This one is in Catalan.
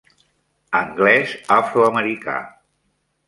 Anglès afroamericà